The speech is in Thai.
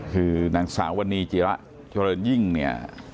คือนางสาววันนี้จิระเจริญยิ่งเนี่ย